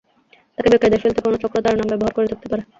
তাঁকে বেকায়দায় ফেলতে কোনো চক্র তাঁর নাম ব্যবহার করে থাকতে পারে।